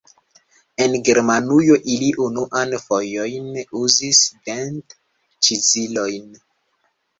En Germanujo ili unuan fojojn uzis dent-ĉizilojn.